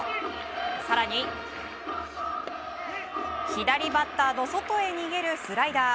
更に左バッターの外へ逃げるスライダー。